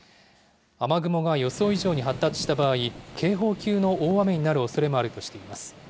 雨雲が予想以上に発達した場合、警報級の大雨になるおそれもあるとしています。